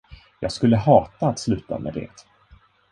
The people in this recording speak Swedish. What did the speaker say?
Jag skulle hata att sluta med det.